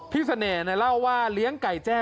พี่เสน่ห์เนี่ยเล่าว่าเลี้ยงไก่แจ้